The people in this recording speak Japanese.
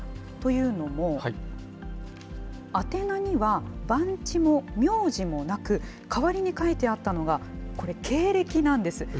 というのも、宛名には番地も名字もなく、代わりに書いてあったのが、これ、経歴なんです。